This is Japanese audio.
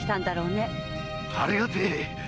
ありがてえ！